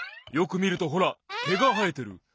よくみるとほらけがはえてる。